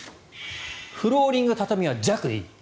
フローリング、畳は「弱」でいい。